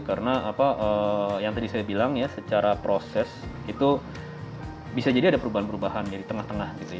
karena apa yang tadi saya bilang ya secara proses itu bisa jadi ada perubahan perubahan dari tengah tengah gitu ya